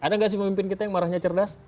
ada nggak sih pemimpin kita yang marahnya cerdas